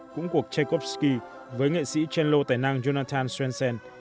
cũng cuộc tchaikovsky với nghệ sĩ trên lô tài năng jonathan swensen